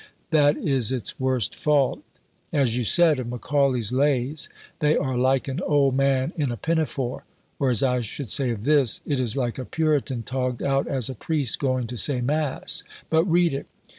That is its worst fault. As you said of Macaulay's Lays, They are like an old man in a pinafore; or as I should say of this, It is like a Puritan togged out as a Priest going to say mass. But read it.